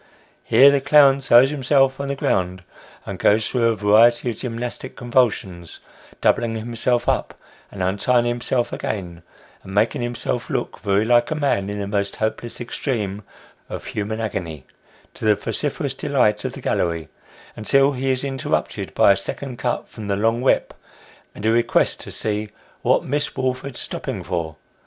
Here the clown throws himself on the ground, and goes through a variety of gymnastic convulsions, doubling himself up, and untying himself again, and making himself look very like a man in the most hopeless extreme of human agony, to the vociferous delight of the gallery, until he is interrupted by a second cut from the long whip, and a request to see " what Miss Woolford's stopping for